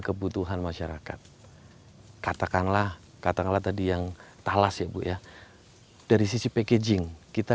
kebutuhan masyarakat katakanlah katakanlah tadi yang talas ya bu ya dari sisi packaging kita